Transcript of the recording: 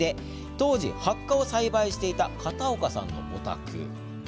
当時、ハッカを栽培していた片岡さんのお宅。